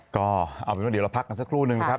ก็เอาเป็นว่าเดี๋ยวเราพักกันสักครู่นึงนะครับ